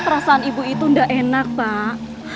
rasaan ibu itu enggak enak pak